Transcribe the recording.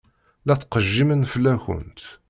La ttqejjimen fell-akent.